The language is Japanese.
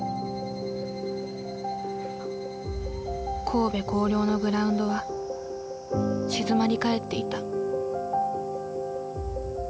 神戸弘陵のグラウンドは静まり返っていた。